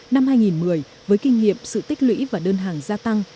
năm hai nghìn một mươi với kinh nghiệm sự tích lũy và đơn hàng gia tăng